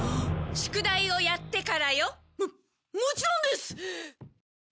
宿題をやってからよ。ももちろんです！